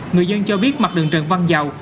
người dân cho biết mặt đường trăng vân dầu